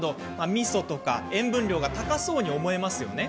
みそとか塩分量が高そうに思えますよね。